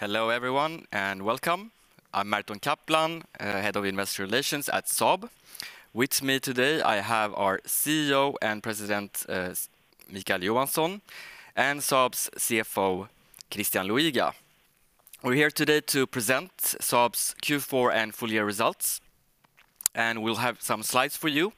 Hello everyone, and welcome. I'm Merton Kaplan, Head of Investor Relations at Saab. With me today I have our CEO and President, Micael Johansson, and Saab's CFO, Christian Luiga. We're here today to present Saab's Q4 and full-year results, and we'll have some slides for you.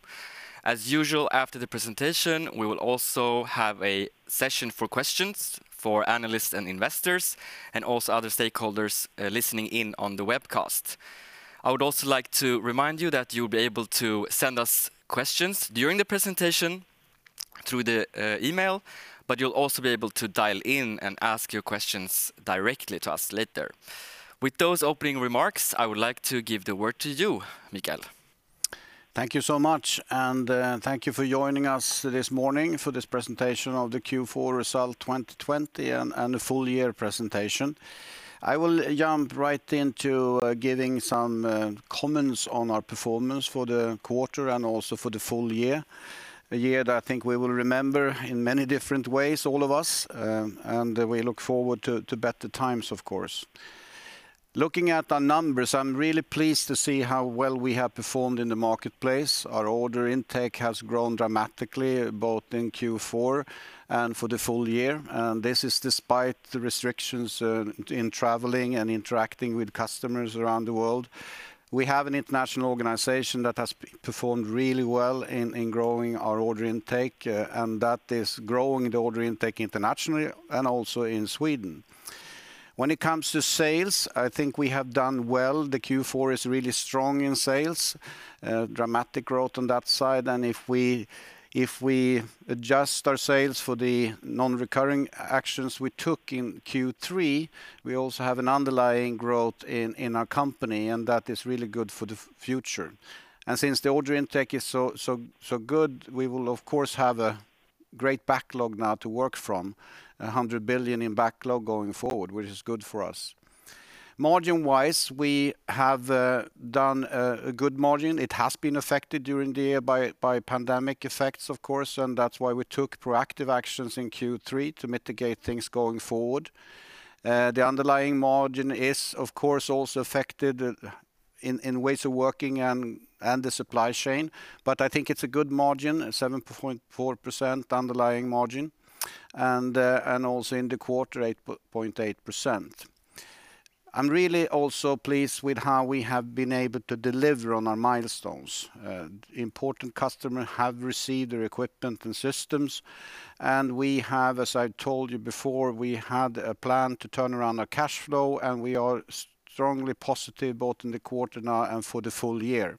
As usual, after the presentation, we will also have a session for questions for analysts and investors, and also other stakeholders listening in on the webcast. I would also like to remind you that you'll be able to send us questions during the presentation through the email, but you'll also be able to dial in and ask your questions directly to us later. With those opening remarks, I would like to give the word to you, Micael. Thank you so much. Thank you for joining us this morning for this presentation of the Q4 result 2020 and the full-year presentation. I will jump right into giving some comments on our performance for the quarter and also for the full-year. A year that I think we will remember in many different ways, all of us, and we look forward to better times, of course. Looking at our numbers, I'm really pleased to see how well we have performed in the marketplace. Our order intake has grown dramatically, both in Q4 and for the full-year. This is despite the restrictions in traveling and interacting with customers around the world. We have an international organization that has performed really well in growing our order intake, and that is growing the order intake internationally and also in Sweden. When it comes to sales, I think we have done well. The Q4 is really strong in sales, dramatic growth on that side. If we adjust our sales for the non-recurring actions we took in Q3, we also have an underlying growth in our company, and that is really good for the future. Since the order intake is so good, we will of course have a great backlog now to work from. 100 billion in backlog going forward, which is good for us. Margin-wise, we have done a good margin. It has been affected during the year by pandemic effects, of course, and that's why we took proactive actions in Q3 to mitigate things going forward. The underlying margin is, of course, also affected in ways of working and the supply chain, but I think it's a good margin, 7.4% underlying margin, and also in the quarter, 8.8%. I'm really also pleased with how we have been able to deliver on our milestones. Important customer have received their equipment and systems, we have, as I told you before, we had a plan to turn around our cash flow, and we are strongly positive both in the quarter now and for the full year.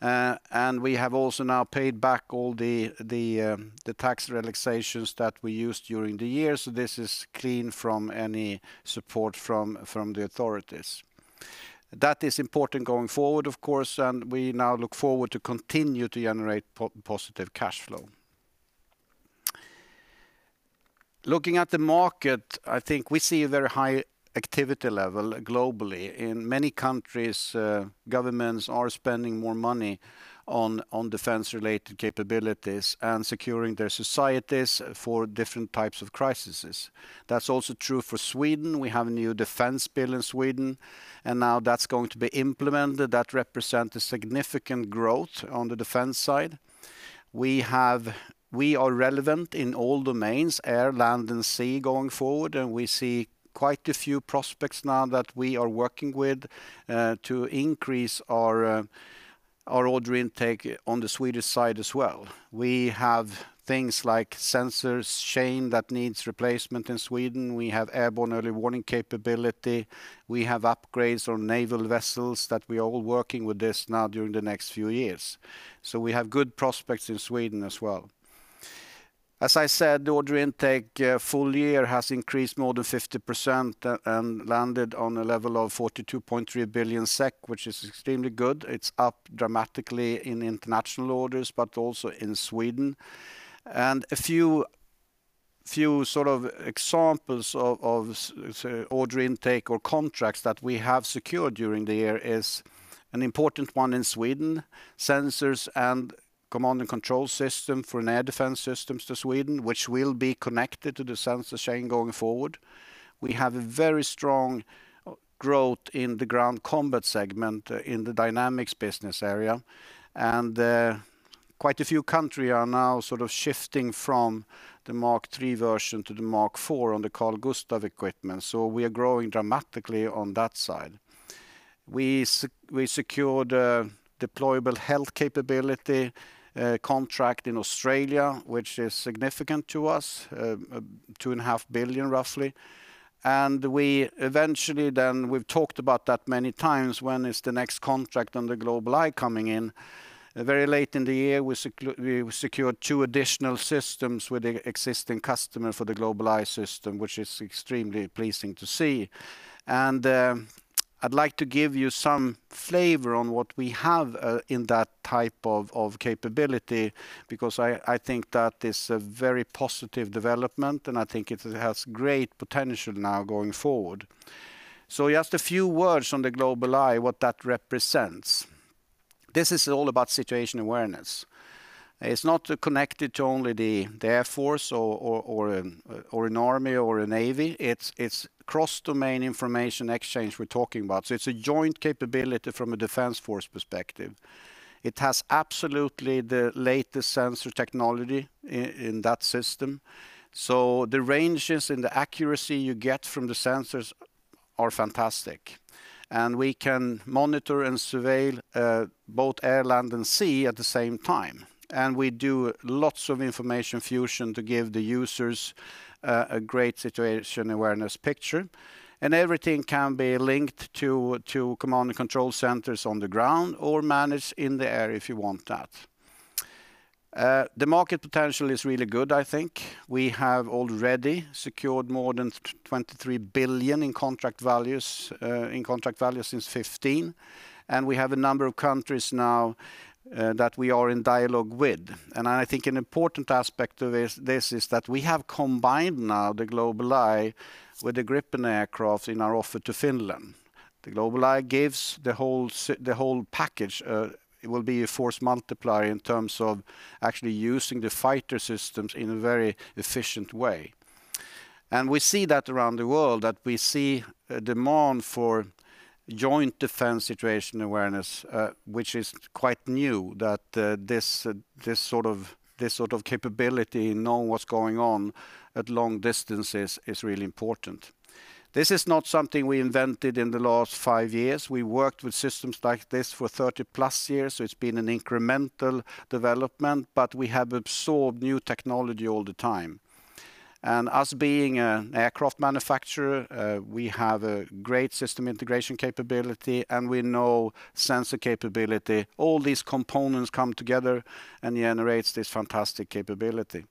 We have also now paid back all the tax relaxations that we used during the year, so this is clean from any support from the authorities. That is important going forward, of course, we now look forward to continue to generate positive cash flow. Looking at the market, I think we see a very high activity level globally. In many countries, governments are spending more money on defense-related capabilities and securing their societies for different types of crises. That's also true for Sweden. We have a new defense bill in Sweden, and now that's going to be implemented. That represent a significant growth on the defense side. We are relevant in all domains, air, land, and sea going forward, and we see quite a few prospects now that we are working with to increase our order intake on the Swedish side as well. We have things like sensors chain that needs replacement in Sweden. We have airborne early warning capability. We have upgrades on naval vessels that we are all working with this now during the next few years. We have good prospects in Sweden as well. As I said, the order intake full year has increased more than 50% and landed on a level of 42.3 billion SEK, which is extremely good. It's up dramatically in international orders, but also in Sweden. A few examples of order intake or contracts that we have secured during the year is an important one in Sweden. Sensors and command and control system for an air defense systems to Sweden, which will be connected to the sensor chain going forward. We have a very strong growth in the Ground Combat segment in the Dynamics business area, and quite a few country are now shifting from the M3 version to the M4 on the Carl-Gustaf equipment. We are growing dramatically on that side. We secured a deployable health capability contract in Australia, which is significant to us, two and a half billion, roughly. We eventually then, we've talked about that many times, when is the next contract on the GlobalEye coming in? Very late in the year, we secured two additional systems with the existing customer for the GlobalEye system, which is extremely pleasing to see. I'd like to give you some flavor on what we have in that type of capability, because I think that is a very positive development, and I think it has great potential now going forward. Just a few words on the GlobalEye, what that represents. This is all about situation awareness. It's not connected to only the Air Force or an army or a navy. It's cross-domain information exchange we're talking about. It's a joint capability from a defense force perspective. It has absolutely the latest sensor technology in that system. The ranges and the accuracy you get from the sensors are fantastic. We can monitor and surveil both air, land, and sea at the same time. We do lots of information fusion to give the users a great situation awareness picture, and everything can be linked to command and control centers on the ground or managed in the air if you want that. The market potential is really good, I think. We have already secured more than 23 billion in contract value since 2015, and we have a number of countries now that we are in dialogue with. I think an important aspect of this is that we have combined now the GlobalEye with the Gripen aircraft in our offer to Finland. The GlobalEye gives the whole package. It will be a force multiplier in terms of actually using the fighter systems in a very efficient way. We see that around the world, that we see a demand for joint defense situation awareness, which is quite new, that this sort of capability, knowing what's going on at long distances, is really important. This is not something we invented in the last five years. We worked with systems like this for 30 plus years, so it's been an incremental development, but we have absorbed new technology all the time. Us being an aircraft manufacturer, we have a great system integration capability, and we know sensor capability. All these components come together and generates this fantastic capability.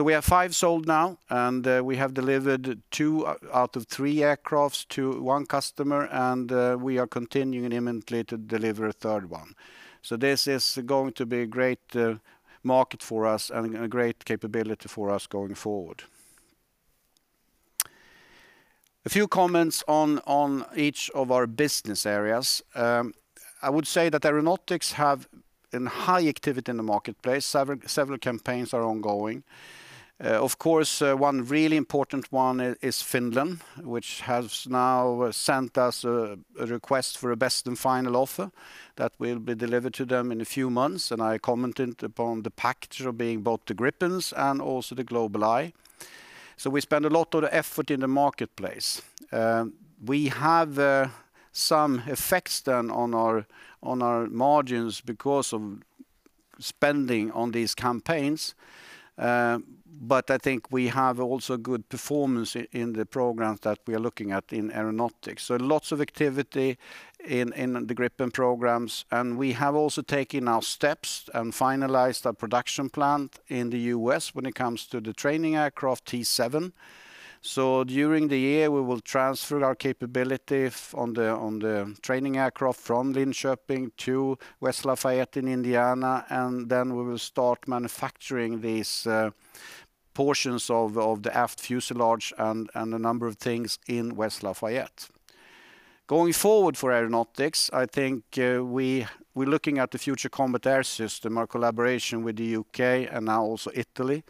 We have five sold now, and we have delivered two out of three aircrafts to one customer, and we are continuing immediately to deliver a third one. This is going to be a great market for us and a great capability for us going forward. A few comments on each of our Business Areas. I would say that Aeronautics have a high activity in the marketplace. Several campaigns are ongoing. Of course, one really important one is Finland, which has now sent us a request for a best and final offer that will be delivered to them in a few months. I commented upon the package of being both the Gripens and also the GlobalEye. We spend a lot of effort in the marketplace. We have some effects then on our margins because of spending on these campaigns. I think we have also good performance in the programs that we are looking at in Aeronautics. Lots of activity in the Gripen programs. We have also taken our steps and finalized our production plant in the U.S. when it comes to the training aircraft T-7. During the year, we will transfer our capability on the training aircraft from Linköping to West Lafayette in Indiana, and then we will start manufacturing these portions of the aft fuselage and a number of things in West Lafayette. Going forward for Aeronautics, I think we're looking at the Future Combat Air System, our collaboration with the U.K. and now also Italy.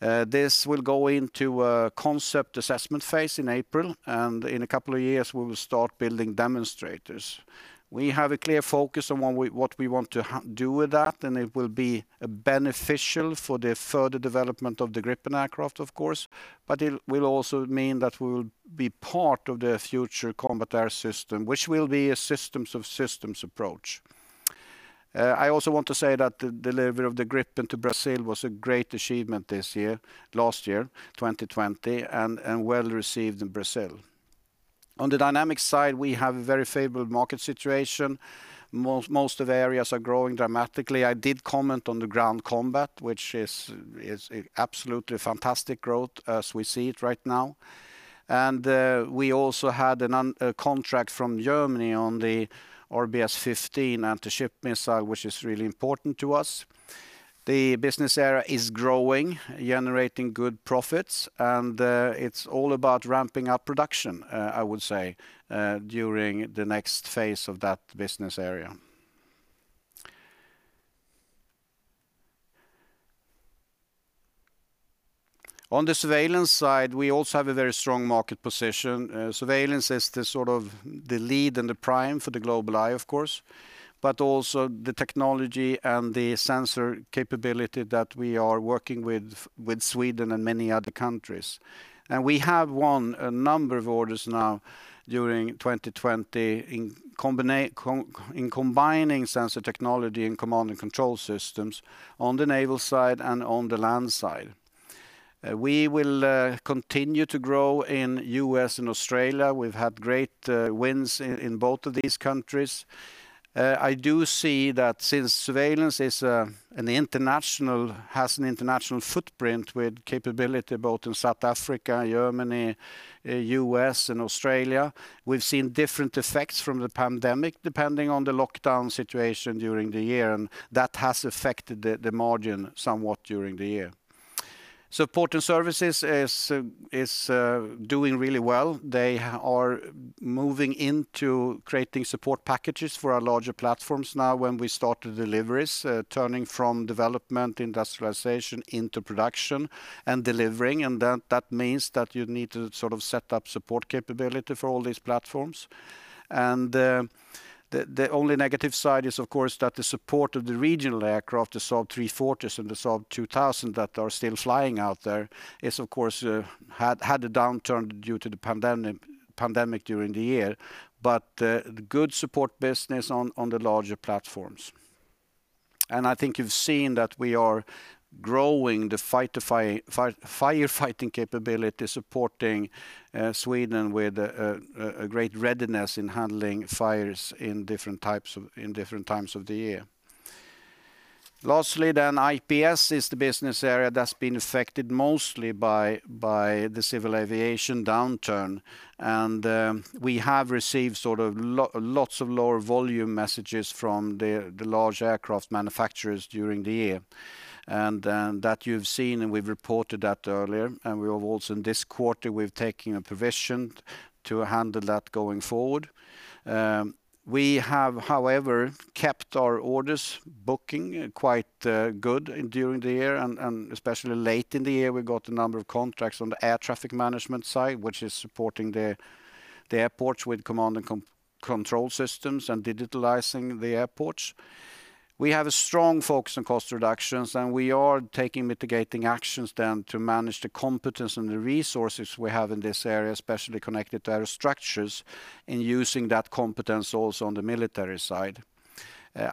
This will go into a concept assessment phase in April, and in a couple of years, we will start building demonstrators. We have a clear focus on what we want to do with that, and it will be beneficial for the further development of the Gripen aircraft, of course, but it will also mean that we will be part of the Future Combat Air System, which will be a systems of systems approach. I also want to say that the delivery of the Gripen to Brazil was a great achievement this year, last year, 2020, and well received in Brazil. On the Dynamics side, we have a very favorable market situation. Most of the areas are growing dramatically. I did comment on the Ground Combat, which is absolutely fantastic growth as we see it right now. We also had a contract from Germany on the RBS15 anti-ship missile, which is really important to us. The business area is growing, generating good profits, and it's all about ramping up production, I would say, during the next phase of that business area. On the Surveillance side, we also have a very strong market position. Surveillance is the sort of the lead and the prime for the GlobalEye, of course, but also the technology and the sensor capability that we are working with Sweden and many other countries. We have won a number of orders now during 2020 in combining sensor technology and command and control systems on the naval side and on the land side. We will continue to grow in the U.S. and Australia. We've had great wins in both of these countries. I do see that since Surveillance has an international footprint with capability both in South Africa, Germany, U.S., and Australia, we've seen different effects from the pandemic depending on the lockdown situation during the year, and that has affected the margin somewhat during the year. Support and Services is doing really well. They are moving into creating support packages for our larger platforms now when we start the deliveries, turning from development industrialization into production and delivering. That means that you need to set up support capability for all these platforms. The only negative side is, of course, that the support of the regional aircraft, the Saab 340s and the Saab 2000 that are still flying out there, had a downturn due to the pandemic during the year. Good support business on the larger platforms. I think you've seen that we are growing the firefighting capability, supporting Sweden with a great readiness in handling fires in different times of the year. Lastly, IPS is the Business Area that's been affected mostly by the civil aviation downturn. We have received lots of lower volume messages from the large aircraft manufacturers during the year. That you've seen, and we've reported that earlier, and we have also in this quarter, we've taken a provision to handle that going forward. We have, however, kept our orders booking quite good during the year. Especially late in the year, we got a number of contracts on the Traffic Management side, which is supporting the airports with command and control systems and digitalizing the airports. We have a strong focus on cost reductions, and we are taking mitigating actions then to manage the competence and the resources we have in this area, especially connected to aerostructures and using that competence also on the military side.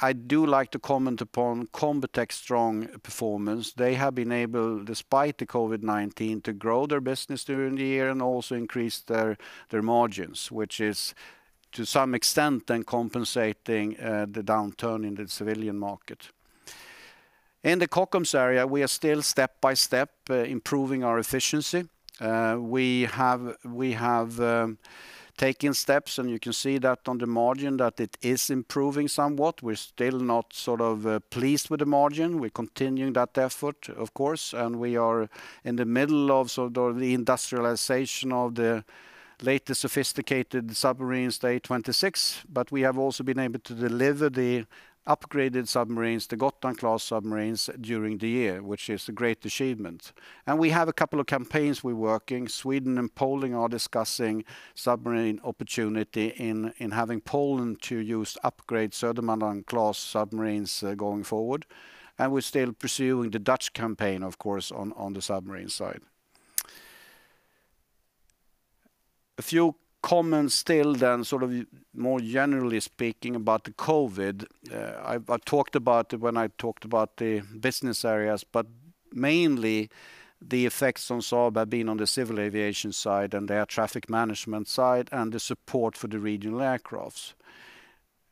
I do like to comment upon Combitech's strong performance. They have been able, despite the COVID-19, to grow their business during the year and also increase their margins, which is to some extent then compensating the downturn in the civilian market. In the Kockums area, we are still step by step improving our efficiency. We have taken steps, you can see that on the margin that it is improving somewhat. We're still not pleased with the margin. We're continuing that effort, of course, and we are in the middle of the industrialization of the latest sophisticated submarines, the A26. We have also been able to deliver the upgraded submarines, the Gotland-class submarines, during the year, which is a great achievement. We have a couple of campaigns we're working. Sweden and Poland are discussing submarine opportunity in having Poland to use upgrade Södermanland-class submarines going forward. We're still pursuing the Dutch campaign, of course, on the submarine side. A few comments still then, more generally speaking about the COVID. I talked about it when I talked about the business areas, but mainly the effects on Saab have been on the civil aviation side and the air traffic management side and the support for the regional aircraft.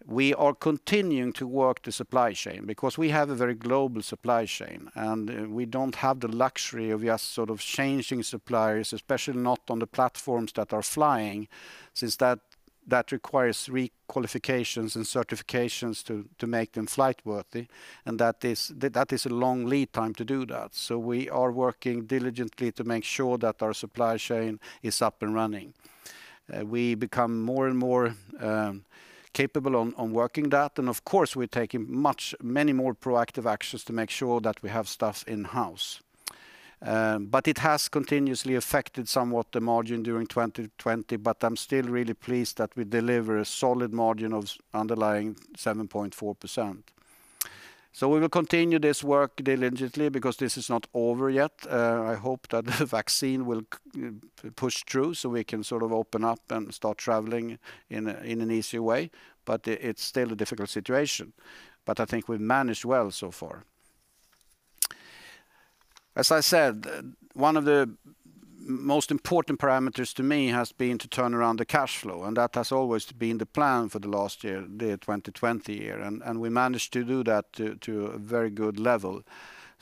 We are continuing to work the supply chain because we have a very global supply chain, and we don't have the luxury of just changing suppliers, especially not on the platforms that are flying, since that requires requalifications and certifications to make them flight worthy, and that is a long lead time to do that. We are working diligently to make sure that our supply chain is up and running. We become more and more capable on working that. Of course, we're taking many more proactive actions to make sure that we have staff in-house. It has continuously affected somewhat the margin during 2020. I'm still really pleased that we deliver a solid margin of underlying 7.4%. We will continue this work diligently because this is not over yet. I hope that the vaccine will push through so we can open up and start traveling in an easier way, but it's still a difficult situation. I think we've managed well so far. As I said, one of the most important parameters to me has been to turn around the cash flow, and that has always been the plan for the last year, the 2020 year. We managed to do that to a very good level.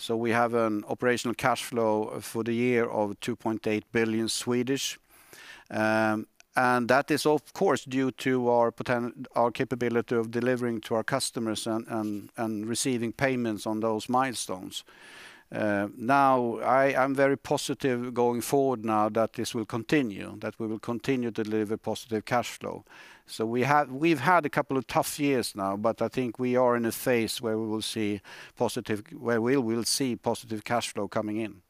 We have an operational cash flow for the year of 2.8 billion. That is, of course, due to our capability of delivering to our customers and receiving payments on those milestones. Now, I am very positive going forward now that this will continue, that we will continue to deliver positive cash flow. We've had a couple of tough years now, but I think we are in a phase where we will see positive cash flow coming in.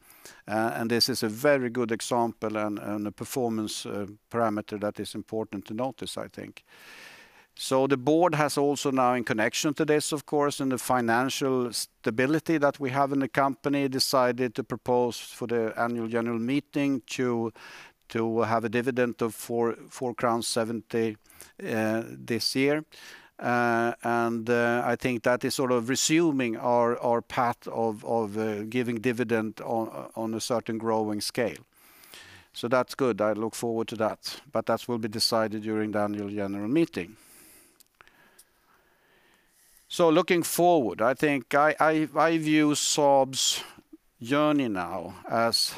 This is a very good example and a performance parameter that is important to notice, I think. The board has also now, in connection to this, of course, and the financial stability that we have in the company, decided to propose for the annual general meeting to have a dividend of 4.70 crowns this year. I think that is resuming our path of giving dividend on a certain growing scale. That's good. I look forward to that, but that will be decided during the annual general meeting. Looking forward, I view Saab's journey now as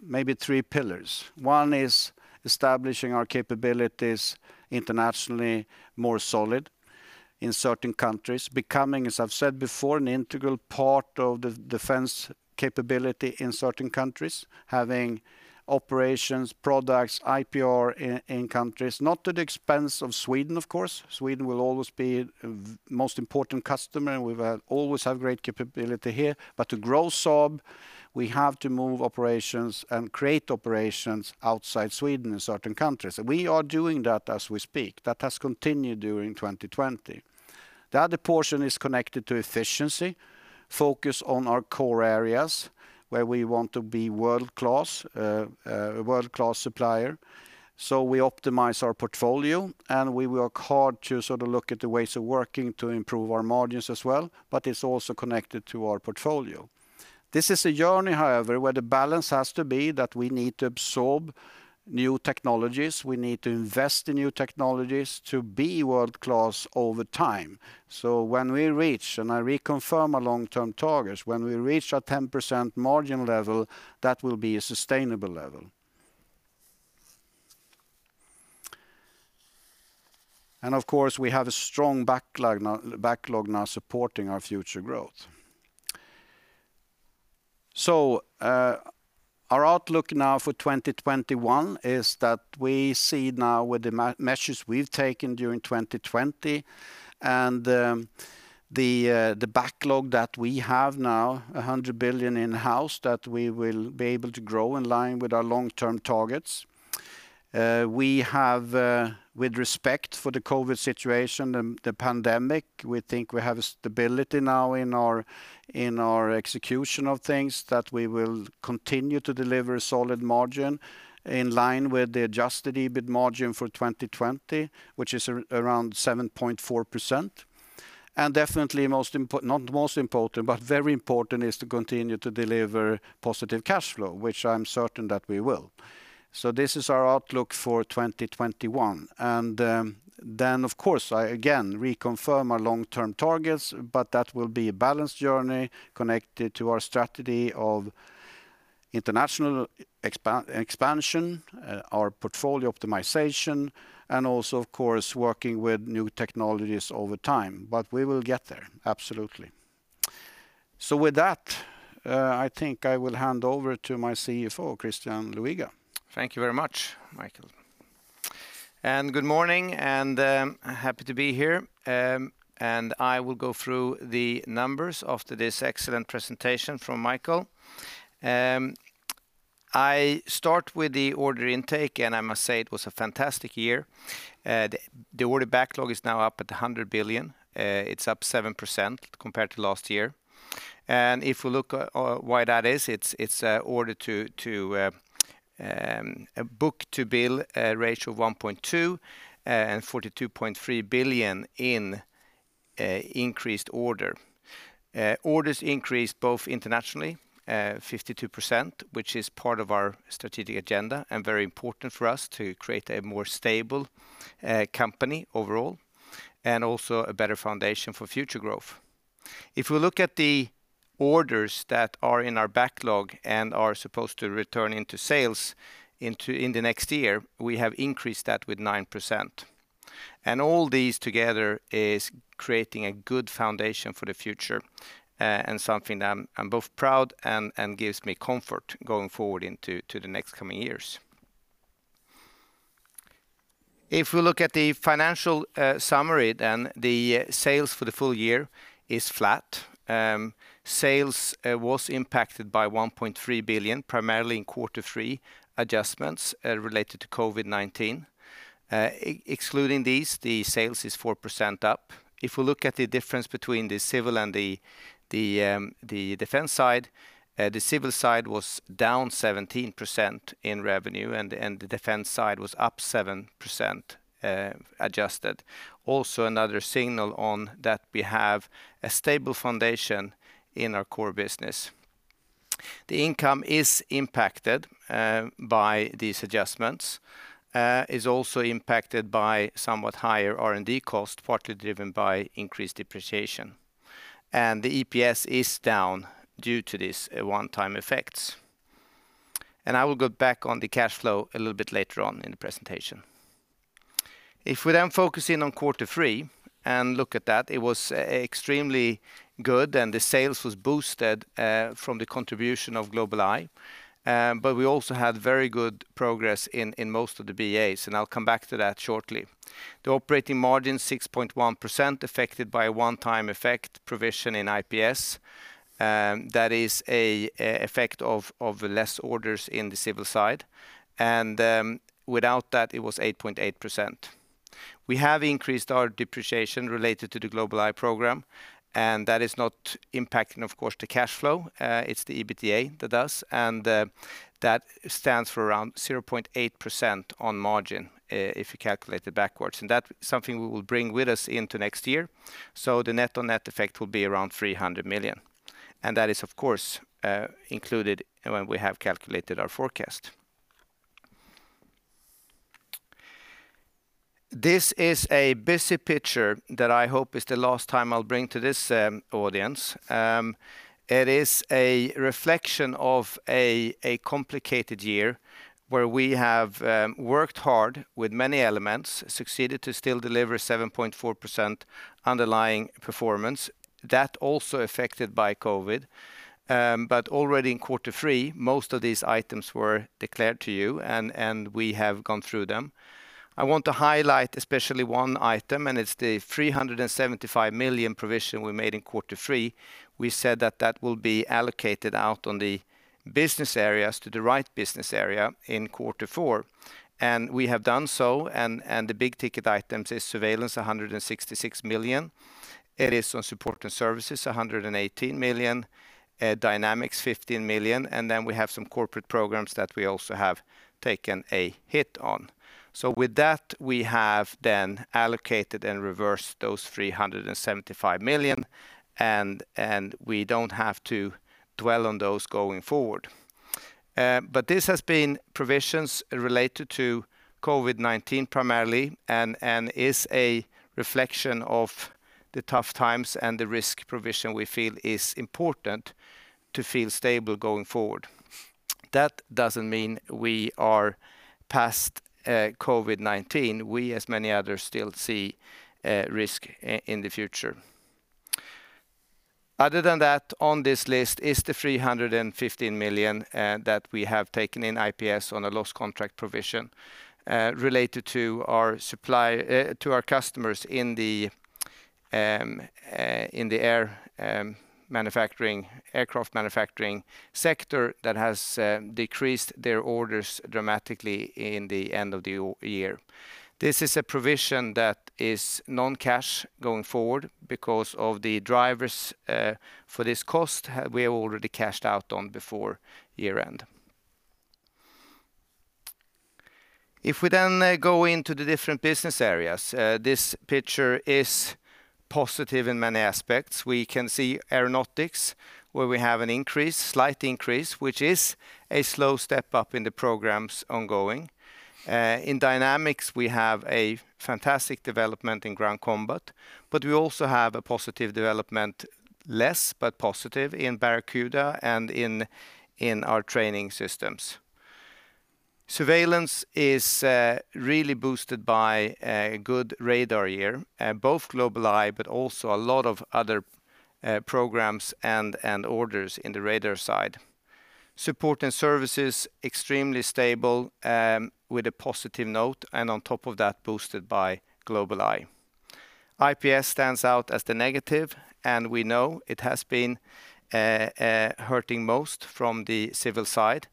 maybe three pillars. One is establishing our capabilities internationally more solid in certain countries. Becoming, as I've said before, an integral part of the defense capability in certain countries, having operations, products, IPR in countries, not at the expense of Sweden, of course. Sweden will always be the most important customer, and we will always have great capability here. To grow Saab, we have to move operations and create operations outside Sweden in certain countries. We are doing that as we speak. That has continued during 2020. The other portion is connected to efficiency, focus on our core areas, where we want to be a world-class supplier. We optimize our portfolio, and we work hard to look at the ways of working to improve our margins as well, but it's also connected to our portfolio. This is a journey, however, where the balance has to be that we need to absorb new technologies. We need to invest in new technologies to be world-class over time. When we reach, and I reconfirm our long-term targets, when we reach our 10% margin level, that will be a sustainable level. Of course, we have a strong backlog now supporting our future growth. Our outlook now for 2021 is that we see now with the measures we've taken during 2020 and the backlog that we have now, 100 billion in-house, that we will be able to grow in line with our long-term targets. We have, with respect for the COVID situation and the pandemic, we think we have stability now in our execution of things that we will continue to deliver a solid margin in line with the adjusted EBIT margin for 2020, which is around 7.4%. Definitely, not most important, but very important is to continue to deliver positive cash flow, which I'm certain that we will. This is our outlook for 2021. Of course, I again reconfirm our long-term targets, but that will be a balanced journey connected to our strategy of international expansion, our portfolio optimization, and also, of course, working with new technologies over time. We will get there, absolutely. With that, I think I will hand over to my CFO, Christian Luiga. Thank you very much, Micael. Good morning, and happy to be here. I will go through the numbers after this excellent presentation from Micael. I start with the order intake, and I must say it was a fantastic year. The order backlog is now up at 100 billion. It's up 7% compared to last year. If we look at why that is, it's order to book to bill ratio of 1.2 and 42.3 billion in increased order. Orders increased both internationally, 52%, which is part of our strategic agenda and very important for us to create a more stable company overall, and also a better foundation for future growth. If we look at the orders that are in our backlog and are supposed to return into sales in the next year, we have increased that with 9%. All these together is creating a good foundation for the future and something that I'm both proud and gives me comfort going forward into the next coming years. If we look at the financial summary, the sales for the full-year is flat. Sales was impacted by 1.3 billion, primarily in quarter three, adjustments related to COVID-19. Excluding these, the sales is 4% up. If we look at the difference between the civil and the defense side, the civil side was down 17% in revenue, and the defense side was up 7% adjusted. Also, another signal on that we have a stable foundation in our core business. The income is impacted by these adjustments. It is also impacted by somewhat higher R&D cost, partly driven by increased depreciation. The EPS is down due to these one-time effects. I will go back on the cash flow a little bit later on in the presentation. We focus in on quarter three and look at that, it was extremely good, and the sales was boosted from the contribution of GlobalEye. We also had very good progress in most of the BAs, and I'll come back to that shortly. The operating margin, 6.1%, affected by a one-time effect provision in IPS. That is a effect of less orders in the civil side. Without that, it was 8.8%. We have increased our depreciation related to the GlobalEye program, and that is not impacting, of course, the cash flow. It's the EBITDA that does, and that stands for around 0.8% on margin if you calculate it backwards. That something we will bring with us into next year. The net on net effect will be around 300 million. That is, of course, included when we have calculated our forecast. This is a busy picture that I hope is the last time I'll bring to this audience. It is a reflection of a complicated year where we have worked hard with many elements, succeeded to still deliver 7.4% underlying performance. That also affected by COVID. Already in quarter three, most of these items were declared to you, and we have gone through them. I want to highlight especially one item, and it's the 375 million provision we made in quarter three. We said that that will be allocated out on the Business Areas to the right Business Area in quarter four. We have done so, and the big-ticket items is Surveillance, 166 million. It is on Support and Services, 118 million. Dynamics, 15 million. We have some corporate programs that we also have taken a hit on. With that, we have allocated and reversed those 375 million. We don't have to dwell on those going forward. This has been provisions related to COVID-19 primarily and is a reflection of the tough times and the risk provision we feel is important to feel stable going forward. That doesn't mean we are past COVID-19. We, as many others, still see risk in the future. Other than that, on this list is the 315 million that we have taken in IPS on a loss contract provision related to our customers in the aircraft manufacturing sector that has decreased their orders dramatically in the end of the year. This is a provision that is non-cash going forward because of the drivers for this cost we have already cashed out on before year-end. If we go into the different business areas, this picture is positive in many aspects. We can see Aeronautics, where we have an increase, slight increase, which is a slow step-up in the programs ongoing. In Dynamics, we have a fantastic development in Ground Combat, but we also have a positive development, less but positive, in Barracuda and in our training systems. Surveillance is really boosted by a good radar year, both GlobalEye, but also a lot of other programs and orders in the radar side. Support and Services, extremely stable with a positive note, and on top of that, boosted by GlobalEye. IPS stands out as the negative, we know it has been hurting most from the civil side.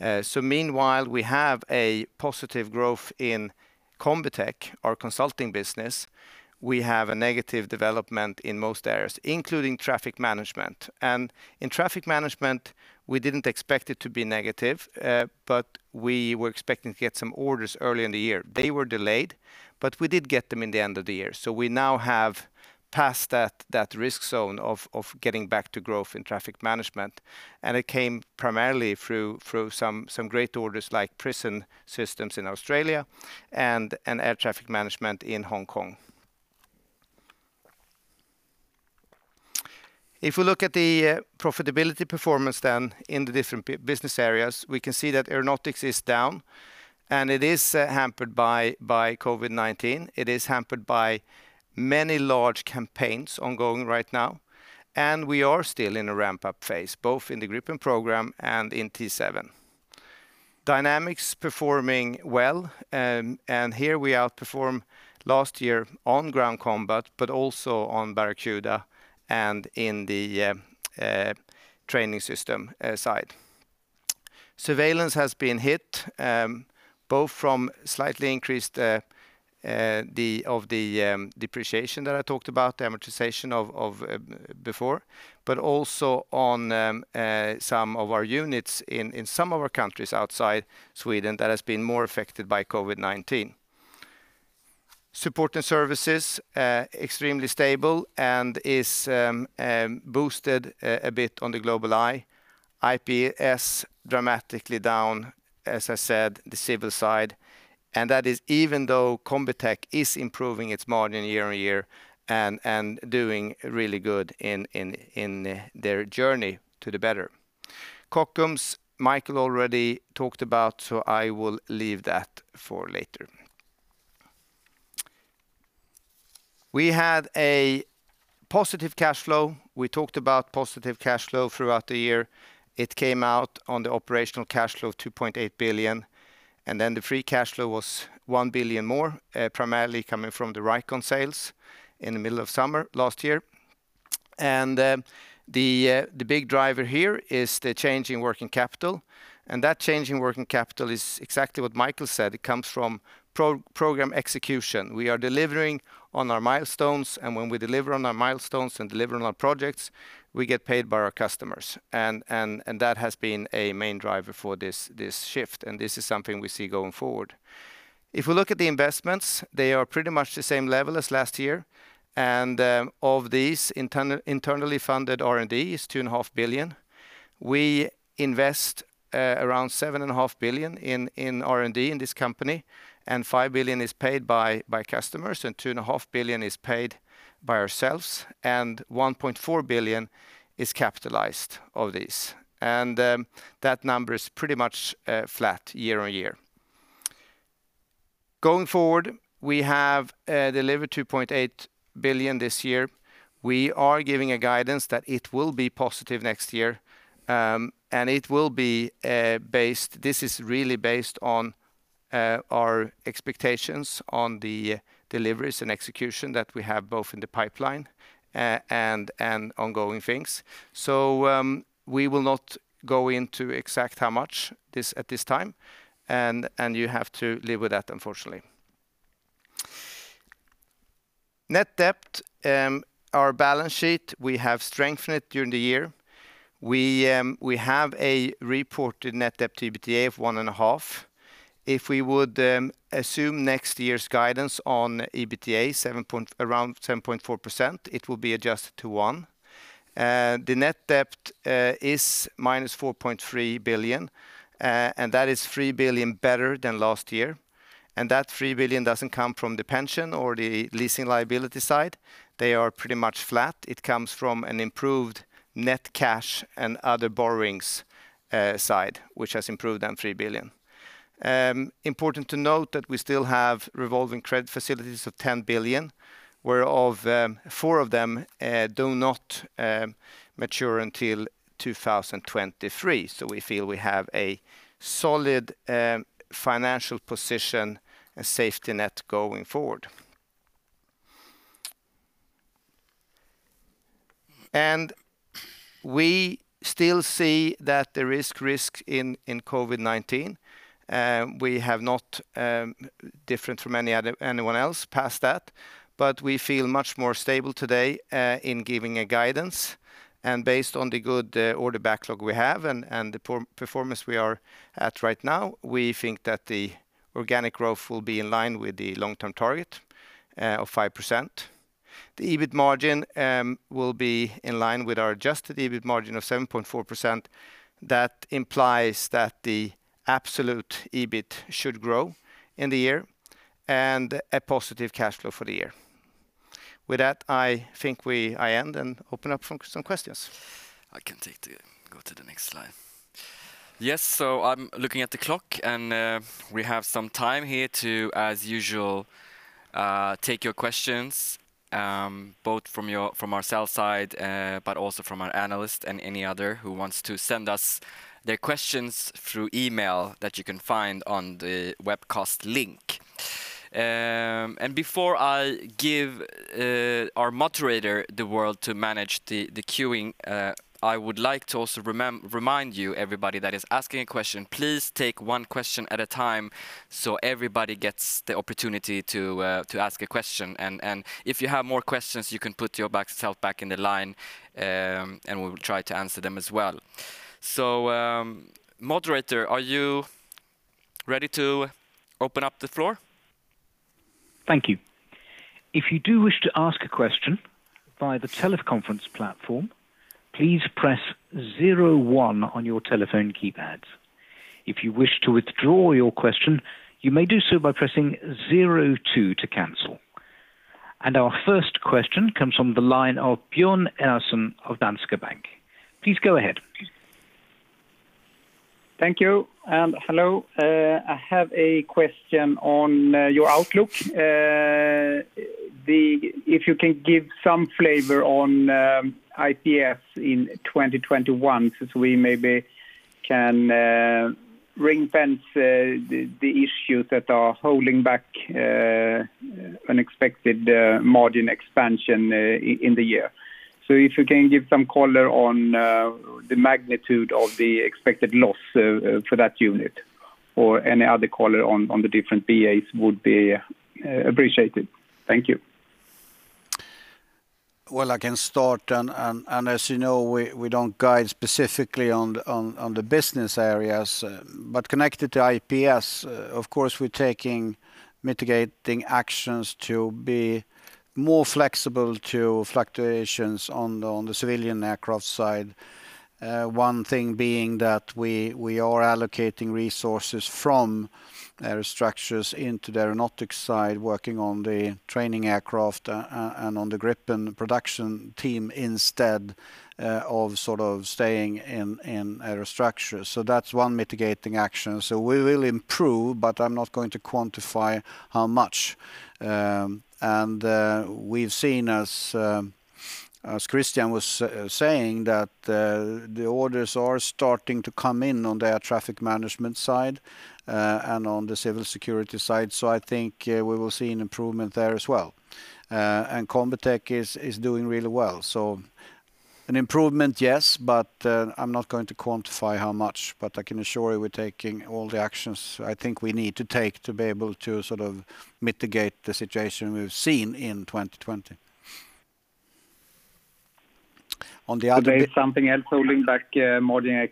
Meanwhile, we have a positive growth in Combitech, our consulting business. We have a negative development in most areas, including Traffic Management. In Traffic Management, we didn't expect it to be negative, but we were expecting to get some orders early in the year. They were delayed, we did get them in the end of the year. We now have passed that risk zone of getting back to growth in Traffic Management, and it came primarily through some great orders like prison systems in Australia and air traffic management in Hong Kong. If we look at the profitability performance then in the different business areas, we can see that Aeronautics is down, and it is hampered by COVID-19. It is hampered by many large campaigns ongoing right now, and we are still in a ramp-up phase, both in the Gripen program and in T-7. Dynamics performing well, here we outperform last year on Ground Combat, but also on Barracuda and in the training system side. Surveillance has been hit, both from slightly increased of the depreciation that I talked about, the amortization of before, but also on some of our units in some of our countries outside Sweden that has been more affected by COVID-19. Support and Services, extremely stable and is boosted a bit on the GlobalEye. IPS dramatically down, as I said, the civil side. That is even though Combitech is improving its margin year-on-year and doing really good in their journey to the better. Kockums, Micael already talked about, so I will leave that for later. We had a positive cash flow. We talked about positive cash flow throughout the year. It came out on the operational cash flow, 2.8 billion, and then the free cash flow was 1 billion more, primarily coming from the Vricon sales in the middle of summer last year. The big driver here is the change in working capital, and that change in working capital is exactly what Micael said. It comes from program execution. We are delivering on our milestones, and when we deliver on our milestones and deliver on our projects, we get paid by our customers. That has been a main driver for this shift. This is something we see going forward. If we look at the investments, they are pretty much the same level as last year. Of these, internally funded R&D is 2.5 billion. We invest around 7.5 billion in R&D in this company. 5 billion is paid by customers. 2.5 billion is paid by ourselves. 1.4 billion is capitalized of this. That number is pretty much flat year-on-year. Going forward, we have delivered 2.8 billion this year. We are giving a guidance that it will be positive next year. This is really based on our expectations on the deliveries and execution that we have both in the pipeline and ongoing things. We will not go into exact how much at this time. You have to live with that, unfortunately. Net debt. Our balance sheet, we have strengthened it during the year. We have a reported net debt to EBITDA of 1.5. If we would assume next year's guidance on EBITDA, around 7.4%, it will be adjusted to one. The net debt is -4.3 billion. That is 3 billion better than last year. That 3 billion doesn't come from the pension or the leasing liability side. They are pretty much flat. It comes from an improved net cash and other borrowings side, which has improved on 3 billion. Important to note that we still have revolving credit facilities of 10 billion, where four of them do not mature until 2023. We feel we have a solid financial position and safety net going forward. We still see that there is risk in COVID-19. We have not differed from anyone else past that, but we feel much more stable today in giving a guidance. Based on the good order backlog we have and the performance we are at right now, we think that the organic growth will be in line with the long-term target of 5%. The EBIT margin will be in line with our adjusted EBIT margin of 7.4%. That implies that the absolute EBIT should grow in the year, and a positive cash flow for the year. With that, I think I end and open up for some questions. I can go to the next slide. Yes, I'm looking at the clock, and we have some time here to, as usual, take your questions, both from our sell-side, but also from our analyst and any other who wants to send us their questions through email that you can find on the webcast link. Before I give our moderator the world to manage the queuing, I would like to also remind you, everybody that is asking a question, please take one question at a time so everybody gets the opportunity to ask a question. If you have more questions, you can put yourself back in the line, and we will try to answer them as well. Moderator, are you ready to open up the floor? Thank you. If you do wish to ask a question via the teleconference platform, please press zero one on your telephone keypads. If you wish to withdraw your question, you may do so by pressing zero two to cancel. Our first question comes from the line of Björn Enarson of Danske Bank. Please go ahead. Thank you, and hello. I have a question on your outlook. If you can give some flavor on IPS in 2021, since we maybe can ring-fence the issues that are holding back an expected margin expansion in the year. If you can give some color on the magnitude of the expected loss for that unit or any other color on the different BAs would be appreciated. Thank you. I can start, as you know, we don't guide specifically on the Business Areas. Connected to IPS, of course, we're taking mitigating actions to be more flexible to fluctuations on the civilian aircraft side. One thing being that we are allocating resources from aerostructures into the Aeronautics side, working on the training aircraft and on the Gripen production team instead of staying in aerostructure. That's one mitigating action. We will improve, but I'm not going to quantify how much. We've seen, as Christian was saying, that the orders are starting to come in on the Traffic Management side and on the civil security side. I think we will see an improvement there as well. Combitech is doing really well. An improvement, yes, but I'm not going to quantify how much, but I can assure you we're taking all the actions I think we need to take to be able to mitigate the situation we've seen in 2020. On the other- There is something else holding back margin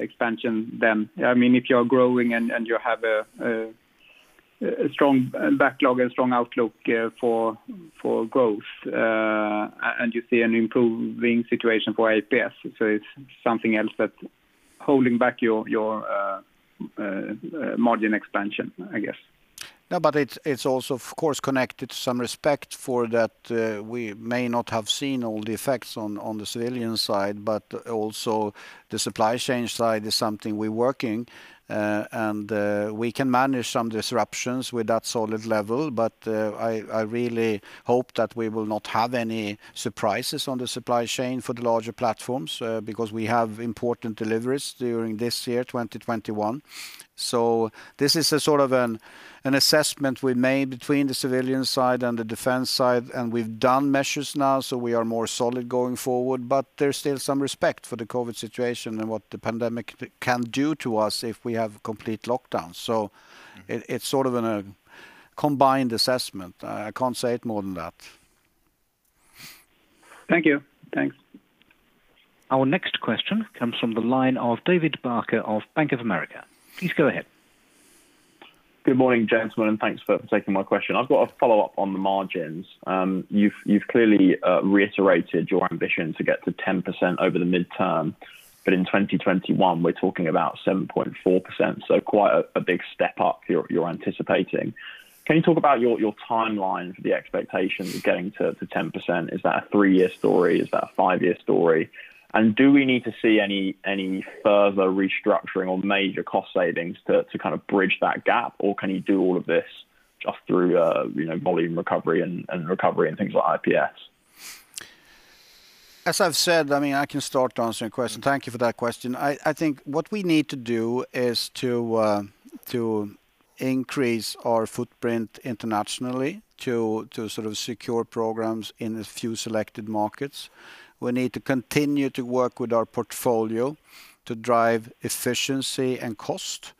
expansion then? If you're growing and you have a strong backlog and strong outlook for growth, and you see an improving situation for IPS. It's something else that holding back your margin expansion, I guess. No, it's also, of course, connected to some respect for that we may not have seen all the effects on the civilian side, but also the supply chain side is something we're working, and we can manage some disruptions with that solid level. I really hope that we will not have any surprises on the supply chain for the larger platforms, because we have important deliveries during this year, 2021. This is a sort of an assessment we made between the civilian side and the defense side, and we've done measures now, so we are more solid going forward. There's still some respect for the COVID situation and what the pandemic can do to us if we have complete lockdown. It's sort of a combined assessment. I can't say it more than that. Thank you. Thanks. Our next question comes from the line of David Barker of Bank of America. Please go ahead. Good morning, gentlemen, thanks for taking my question. I've got a follow-up on the margins. You've clearly reiterated your ambition to get to 10% over the midterm. In 2021, we're talking about 7.4%, so quite a big step up you're anticipating. Can you talk about your timeline for the expectation of getting to 10%? Is that a three-year story? Is that a five-year story? Do we need to see any further restructuring or major cost savings to kind of bridge that gap? Can you do all of this just through volume recovery and things like IPS? As I've said, I can start answering question. Thank you for that question. I think what we need to do is to increase our footprint internationally to sort of secure programs in a few selected markets. We need to continue to work with our portfolio to drive efficiency and cost.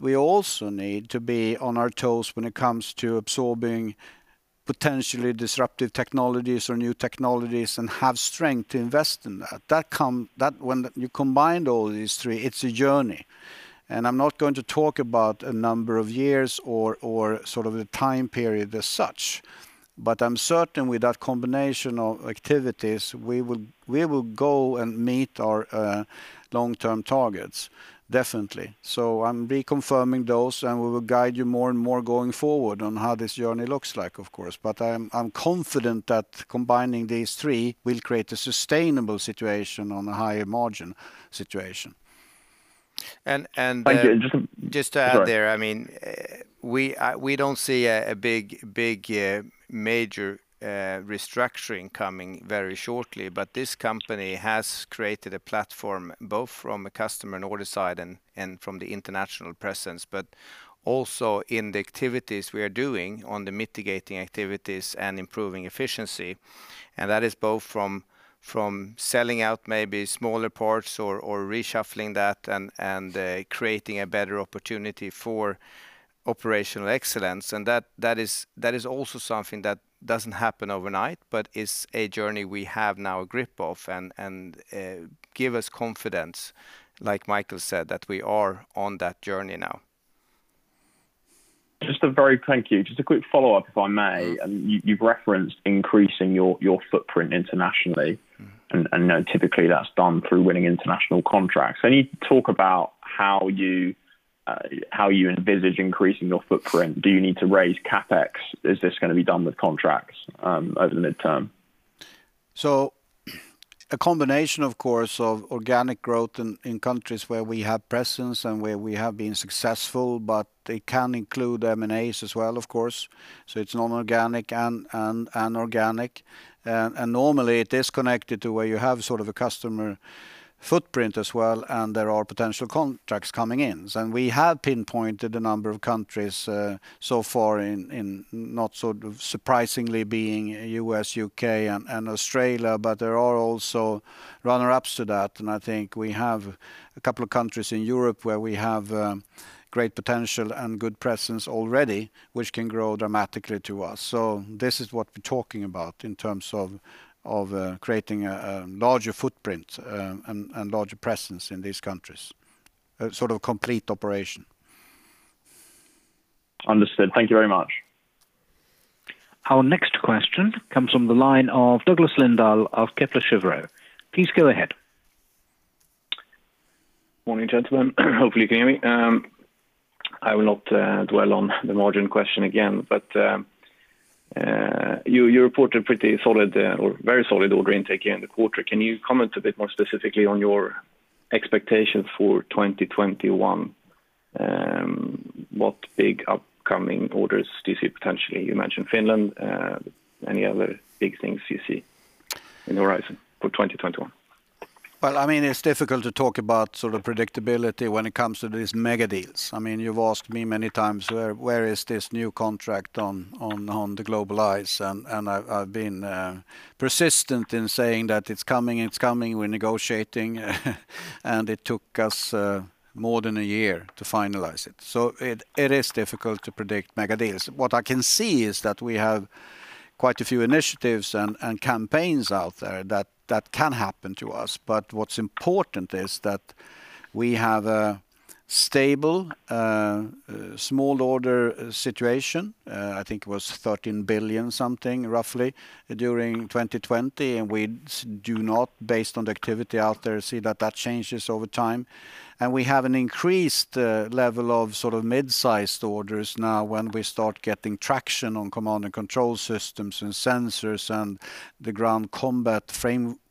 We also need to be on our toes when it comes to absorbing potentially disruptive technologies or new technologies and have strength to invest in that. When you combined all these three, it's a journey. I'm not going to talk about a number of years or sort of a time period as such, but I'm certain with that combination of activities, we will go and meet our long-term targets, definitely. I'm reconfirming those, and we will guide you more and more going forward on how this journey looks like, of course. I'm confident that combining these three will create a sustainable situation on a higher margin situation. And- Thank you. Just to add there- Go ahead. we don't see a big major restructuring coming very shortly. This company has created a platform both from a customer and order side and from the international presence, but also in the activities we are doing on the mitigating activities and improving efficiency. That is both from selling out maybe smaller parts or reshuffling that and creating a better opportunity for operational excellence. That is also something that doesn't happen overnight, but is a journey we have now a grip of and give us confidence, like Micael said, that we are on that journey now. Thank you. Just a quick follow-up, if I may. You've referenced increasing your footprint internationally. Typically, that's done through winning international contracts. Any talk about how you envisage increasing your footprint? Do you need to raise CapEx? Is this going to be done with contracts over the midterm? A combination, of course, of organic growth in countries where we have presence and where we have been successful, but they can include M&As as well, of course. It's non-organic and organic. Normally, it is connected to where you have sort of a customer footprint as well, and there are potential contracts coming in. We have pinpointed a number of countries so far in not sort of surprisingly being U.S., U.K., and Australia, but there are also runner-ups to that. I think we have a couple of countries in Europe where we have great potential and good presence already, which can grow dramatically to us. This is what we're talking about in terms of creating a larger footprint and larger presence in these countries, sort of complete operation. Understood. Thank you very much. Our next question comes from the line of Douglas Lindahl of Kepler Cheuvreux. Please go ahead. Morning, gentlemen. Hopefully you can hear me. I will not dwell on the margin question again. You reported pretty solid or very solid order intake in the quarter. Can you comment a bit more specifically on your expectation for 2021? What big upcoming orders do you see potentially? You mentioned Finland. Any other big things you see in the horizon for 2021? Well, it's difficult to talk about sort of predictability when it comes to these mega deals. You've asked me many times, where is this new contract on the GlobalEye, and I've been persistent in saying that it's coming, we're negotiating and it took us more than a year to finalize it. It is difficult to predict mega deals. What I can see is that we have quite a few initiatives and campaigns out there that can happen to us. What's important is that we have a stable, small order situation. I think it was 13 billion something roughly during 2020, and we do not, based on the activity out there, see that that changes over time. We have an increased level of mid-sized orders now when we start getting traction on command and control systems and sensors, and the Ground Combat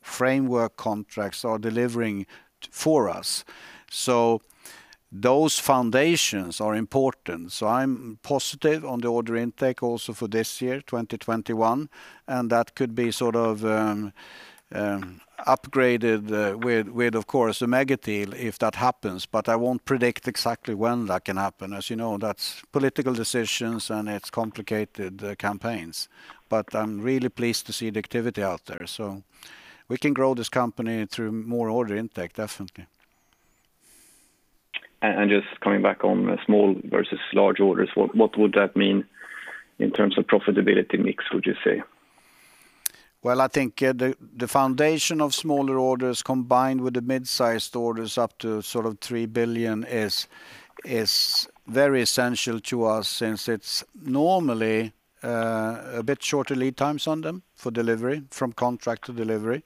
framework contracts are delivering for us. Those foundations are important. I'm positive on the order intake also for this year, 2021, and that could be upgraded with, of course, the mega deal, if that happens, but I won't predict exactly when that can happen. As you know, that's political decisions and it's complicated campaigns. I'm really pleased to see the activity out there. We can grow this company through more order intake, definitely. Just coming back on small versus large orders, what would that mean in terms of profitability mix, would you say? Well, I think the foundation of smaller orders combined with the mid-sized orders up to 3 billion is very essential to us, since it's normally a bit shorter lead times on them for delivery, from contract to delivery,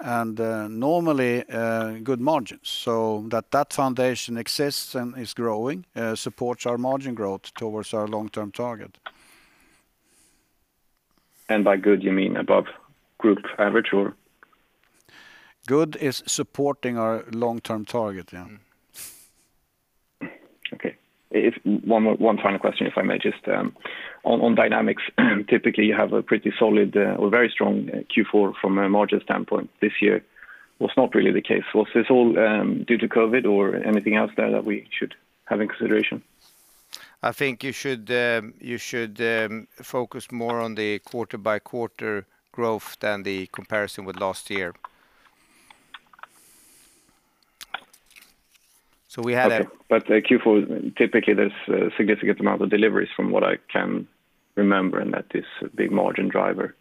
and normally good margins. That foundation exists and is growing supports our margin growth towards our long-term target. By good, you mean above group average, or? Good is supporting our long-term target, yeah. Okay. One final question, if I may just. On Dynamics, typically you have a pretty solid or very strong Q4 from a margin standpoint. This year was not really the case. Was this all due to COVID or anything else there that we should have in consideration? I think you should focus more on the quarter-by-quarter growth than the comparison with last year. Q4, typically there's a significant amount of deliveries from what I can remember, and that is a big margin driver.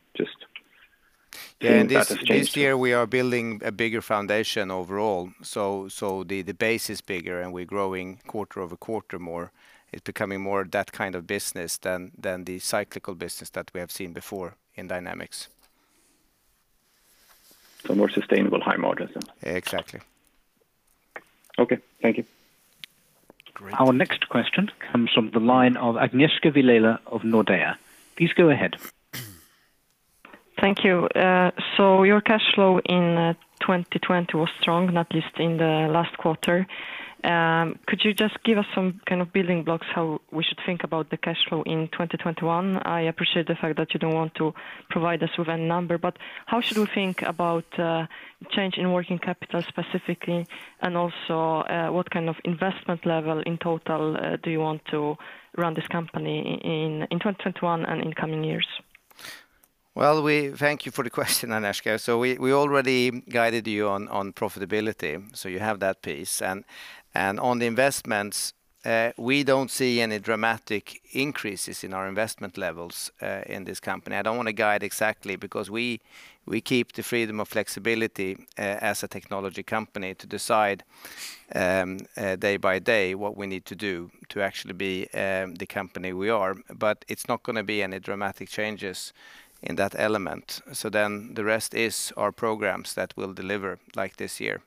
Yeah. That has changed. This year we are building a bigger foundation overall, so the base is bigger and we're growing quarter-over-quarter more. It's becoming more that kind of business than the cyclical business that we have seen before in Dynamics. More sustainable high margin. Exactly. Okay. Thank you. Great. Our next question comes from the line of Agnieszka Vilela of Nordea. Please go ahead. Thank you. Your cash flow in 2020 was strong, not least in the last quarter. Could you just give us some kind of building blocks how we should think about the cash flow in 2021? I appreciate the fact that you don't want to provide us with a number, how should we think about change in working capital specifically? What kind of investment level in total do you want to run this company in 2021 and in coming years? Well, thank you for the question, Agnieszka. We already guided you on profitability, so you have that piece. On the investments, we don't see any dramatic increases in our investment levels in this company. I don't want to guide exactly because we keep the freedom of flexibility as a technology company to decide day by day what we need to do to actually be the company we are. It's not going to be any dramatic changes in that element. The rest is our programs that will deliver like this year.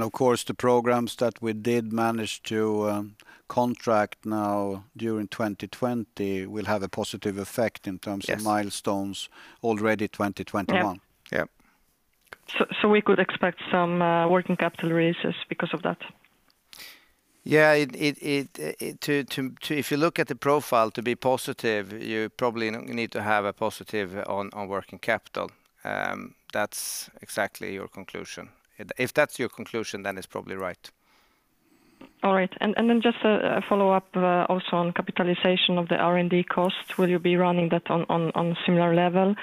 Of course, the programs that we did manage to contract now during 2020 will have a positive effect in terms. Yes, of milestones already 2021. Yeah. We could expect some working capital releases because of that? Yeah. If you look at the profile to be positive, you probably need to have a positive on working capital. That's exactly your conclusion. If that's your conclusion, then it's probably right. Just a follow-up also on capitalization of the R&D cost. Will you be running that on similar level?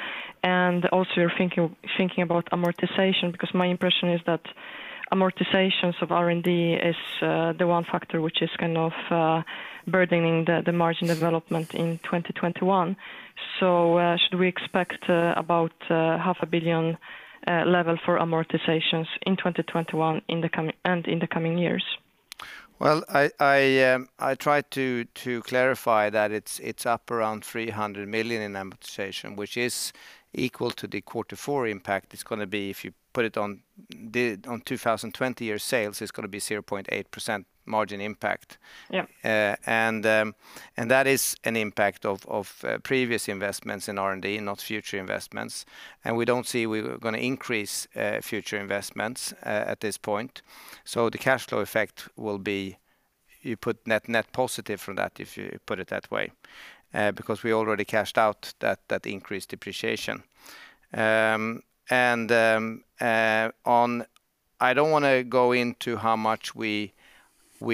Also you're thinking about amortization, because my impression is that amortizations of R&D is the one factor which is kind of burdening the margin development in 2021. Should we expect about SEK half a billion level for amortizations in 2021 and in the coming years? Well, I tried to clarify that it's up around 300 million in amortization, which is equal to the quarter four impact. It's going to be, if you put it on 2020 year sales, it's going to be 0.8% margin impact. Yeah. That is an impact of previous investments in R&D, not future investments. We don't see we're going to increase future investments at this point. The cash flow effect will be, you put net positive from that, if you put it that way, because we already cashed out that increased depreciation. I don't want to go into how much we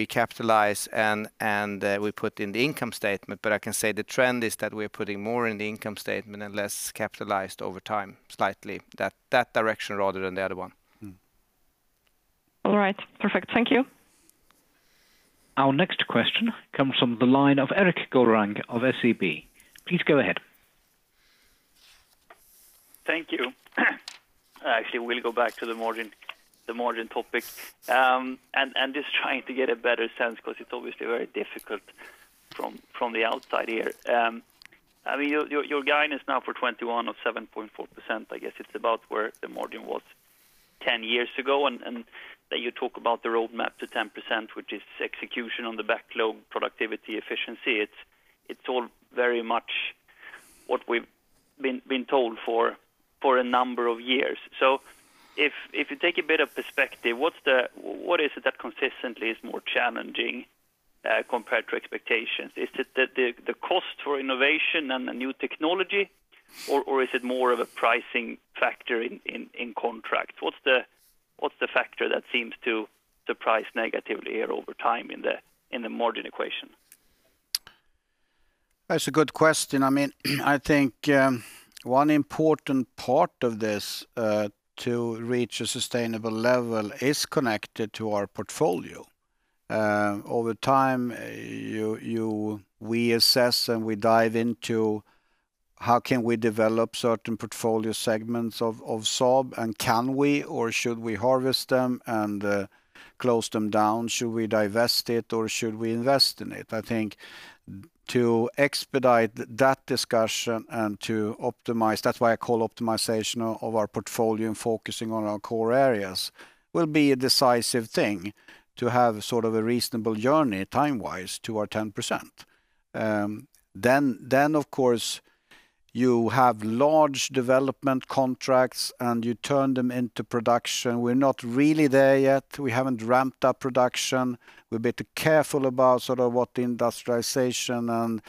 capitalize and we put in the income statement, but I can say the trend is that we're putting more in the income statement and less capitalized over time, slightly. That direction rather than the other one. All right. Perfect. Thank you. Our next question comes from the line of Erik Golrang of SEB. Please go ahead. Thank you. Actually, we'll go back to the margin topic. I'm just trying to get a better sense because it's obviously very difficult from the outside here. Your guidance now for 2021 of 7.4%, I guess it's about where the margin was 10 years ago. You talk about the roadmap to 10%, which is execution on the backlog productivity efficiency. It's all very much what we've been told for a number of years. If you take a bit of perspective, what is it that consistently is more challenging compared to expectations? Is it the cost for innovation and the new technology, or is it more of a pricing factor in contract? What's the factor that seems to price negatively over time in the margin equation? That's a good question. I think one important part of this to reach a sustainable level is connected to our portfolio. Over time, we assess and we dive into how can we develop certain portfolio segments of Saab and can we or should we harvest them and close them down? Should we divest it or should we invest in it? I think to expedite that discussion and to optimize, that's why I call optimization of our portfolio and focusing on our core areas will be a decisive thing to have a reasonable journey time-wise to our 10%. Of course, you have large development contracts and you turn them into production. We're not really there yet. We haven't ramped up production. We're a bit careful about what the industrialization and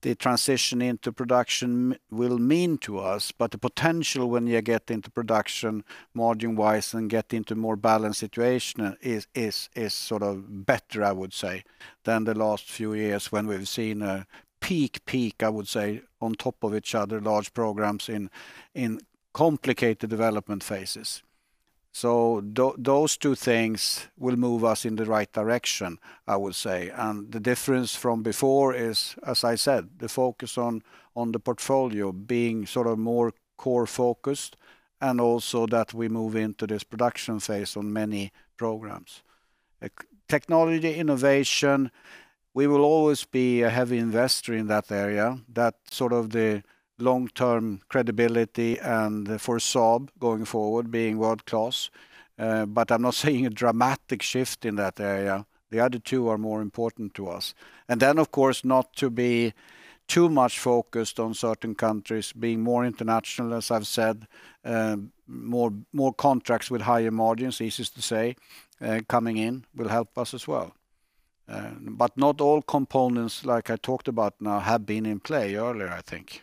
the transition into production will mean to us. The potential when you get into production margin-wise and get into more balanced situation is better, I would say, than the last few years when we've seen a peak, I would say, on top of each other, large programs in complicated development phases. Those two things will move us in the right direction, I would say. The difference from before is, as I said, the focus on the portfolio being more core focused, and also that we move into this production phase on many programs. Technology innovation, we will always be a heavy investor in that area, that's the long-term credibility and for Saab going forward being world-class. I'm not seeing a dramatic shift in that area. The other two are more important to us. Of course, not to be too much focused on certain countries, being more international, as I've said, more contracts with higher margins, easiest to say, coming in will help us as well. Not all components, like I talked about now, have been in play earlier, I think.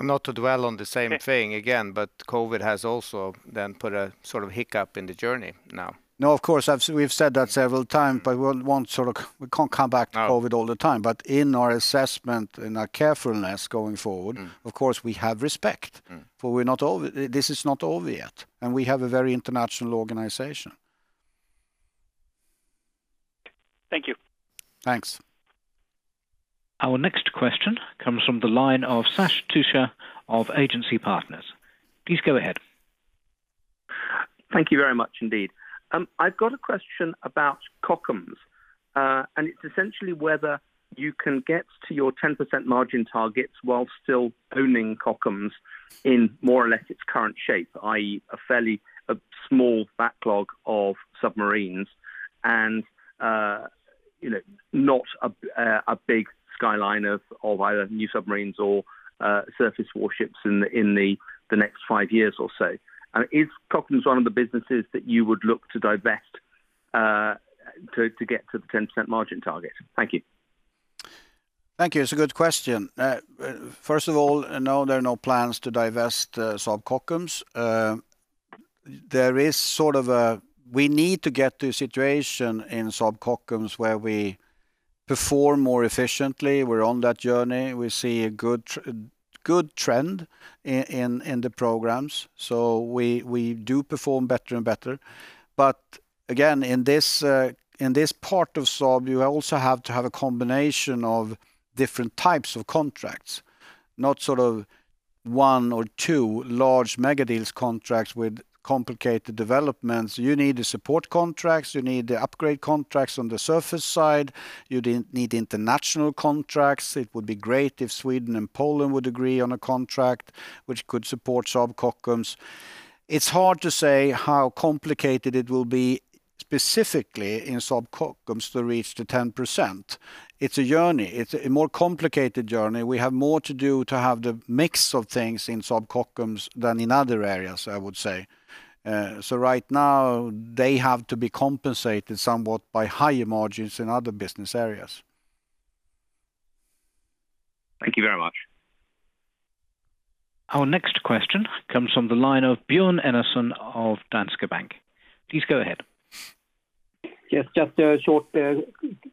Not to dwell on the same thing again, COVID has also then put a hiccup in the journey now. No, of course. We've said that several times, but we can't come back to COVID all the time. In our assessment, in our carefulness going forward. Of course, we have respect. This is not over yet, and we have a very international organization. Thank you. Thanks. Our next question comes from the line of Sash Tusa of Agency Partners. Please go ahead. Thank you very much indeed. I've got a question about Kockums, and it's essentially whether you can get to your 10% margin targets while still owning Kockums in more or less its current shape, i.e., a fairly small backlog of submarines and not a big skyline of either new submarines or surface warships in the next five years or so. Is Kockums one of the businesses that you would look to divest to get to the 10% margin target? Thank you. Thank you. It's a good question. First of all, no, there are no plans to divest Saab Kockums. We need to get to a situation in Saab Kockums where we perform more efficiently. We're on that journey. We see a good trend in the programs. We do perform better and better. Again, in this part of Saab, you also have to have a combination of different types of contracts, not one or two large mega-deals contracts with complicated developments. You need the support contracts, you need the upgrade contracts on the surface side. You need international contracts. It would be great if Sweden and Poland would agree on a contract which could support Saab Kockums. It's hard to say how complicated it will be specifically in Saab Kockums to reach the 10%. It's a journey. It's a more complicated journey. We have more to do to have the mix of things in Saab Kockums than in other areas, I would say. Right now, they have to be compensated somewhat by higher margins in other business areas. Thank you very much. Our next question comes from the line of Björn Enarson of Danske Bank. Please go ahead. Yes, just a short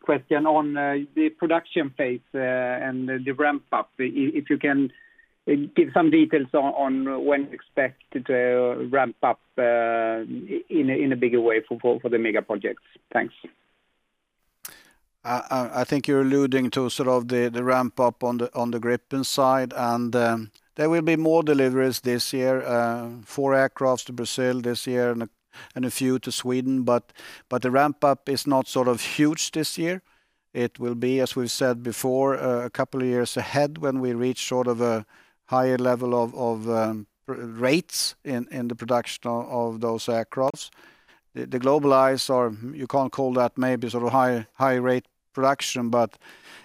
question on the production phase and the ramp up. If you can give some details on when you expect to ramp up in a bigger way for the mega projects. Thanks. I think you're alluding to the ramp-up on the Gripen side, and there will be more deliveries this year, four aircraft to Brazil this year and a few to Sweden, but the ramp-up is not huge this year. It will be, as we've said before, a couple of years ahead when we reach a higher level of rates in the production of those aircraft. The GlobalEye, you can call that maybe high rate production, but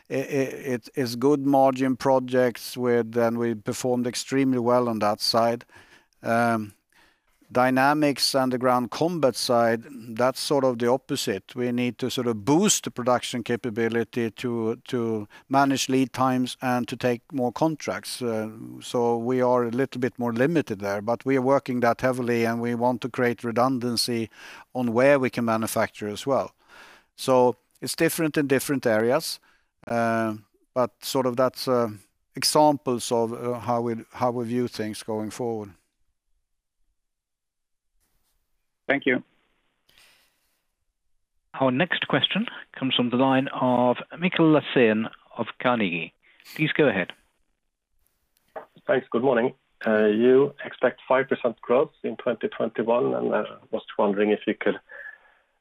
it is good margin projects and we performed extremely well on that side. Dynamics and the Ground Combat side, that's the opposite. We need to boost the production capability to manage lead times and to take more contracts. We are a little bit more limited there, but we are working that heavily, and we want to create redundancy on where we can manufacture as well. It's different in different areas, but that's examples of how we view things going forward. Thank you. Our next question comes from the line of Mikael Laséen of Carnegie. Please go ahead. Thanks. Good morning. You expect 5% growth in 2021, and I was wondering if you could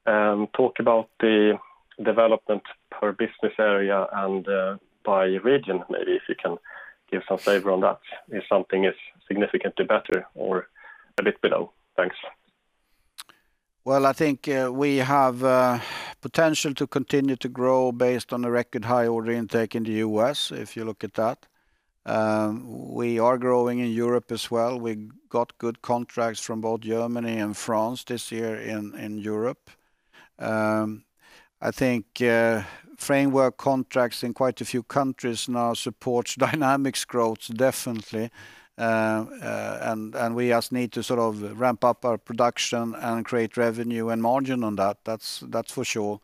talk about the development per business area and by region, maybe if you can give some flavor on that, if something is significantly better or a bit below. Thanks. Well, I think we have potential to continue to grow based on the record high order intake in the U.S., if you look at that. We are growing in Europe as well. We got good contracts from both Germany and France this year in Europe. I think framework contracts in quite a few countries now supports Dynamics growth, definitely. We just need to ramp up our production and create revenue and margin on that. That's for sure.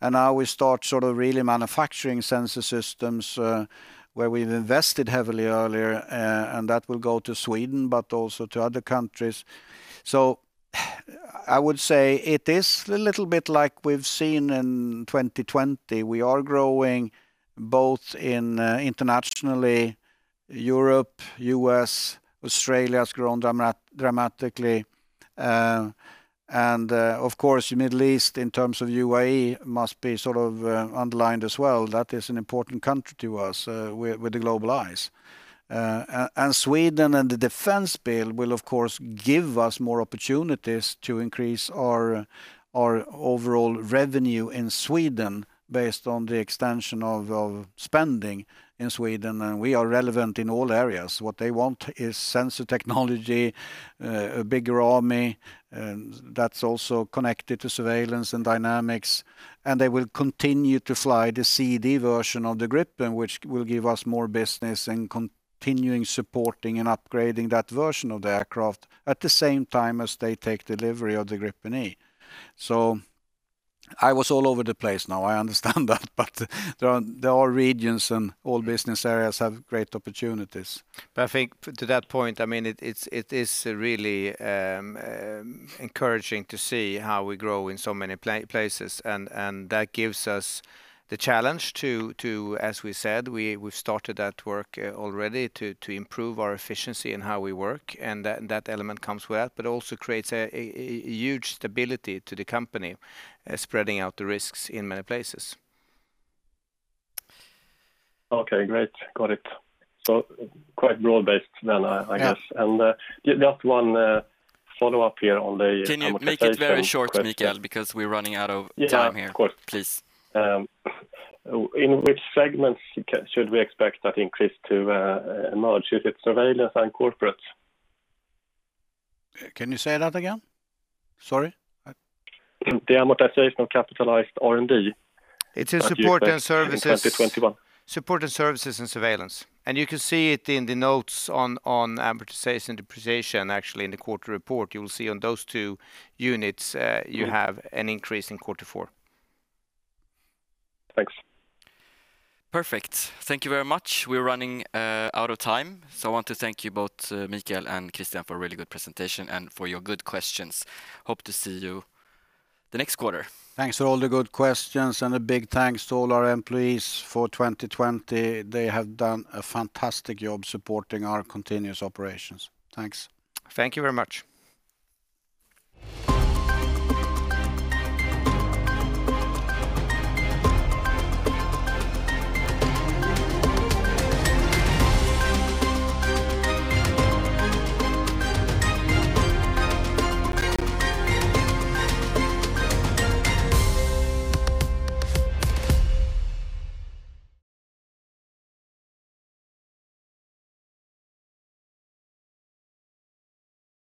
Now we start really manufacturing sensor systems where we've invested heavily earlier, and that will go to Sweden, but also to other countries. I would say it is a little bit like we've seen in 2020. We are growing both internationally, Europe, U.S., Australia has grown dramatically, and of course, the Middle East in terms of UAE must be underlined as well. That is an important country to us with the GlobalEye. Sweden and the defense bill will, of course, give us more opportunities to increase our overall revenue in Sweden based on the extension of spending in Sweden, and we are relevant in all areas. What they want is sensor technology, a bigger army, that's also connected to Surveillance and Dynamics, and they will continue to fly the C/D version of the Gripen, which will give us more business in continuing supporting and upgrading that version of the aircraft at the same time as they take delivery of the Gripen E. I was all over the place now, I understand that, but there are regions and all Business Areas have great opportunities. I think to that point, it is really encouraging to see how we grow in so many places, and that gives us the challenge to, as we said, we've started that work already to improve our efficiency in how we work, and that element comes with that, but also creates a huge stability to the company, spreading out the risks in many places. Okay, great. Got it. Quite broad-based then, I guess. Yeah. Just one follow-up here. Can you make it very short, Mikael, because we're running out of time here. Yeah, of course. Please. In which segments should we expect that increase to emerge? Is it Surveillance and corporate? Can you say that again? Sorry. The amortization of capitalized R&D. It is Support and Services. expect in 2021 Support and Services and Surveillance. You can see it in the notes on amortization, depreciation, actually, in the quarter report. You'll see on those two units, you have an increase in quarter four. Thanks. Perfect. Thank you very much. We're running out of time, I want to thank you both, Mikael and Christian, for a really good presentation and for your good questions. Hope to see you the next quarter. Thanks for all the good questions, and a big thanks to all our employees for 2020. They have done a fantastic job supporting our continuous operations. Thanks. Thank you very much.